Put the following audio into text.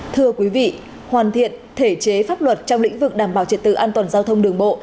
thưa quý vị hoàn thiện thể chế pháp luật trong lĩnh vực đảm bảo trật tự an toàn giao thông đường bộ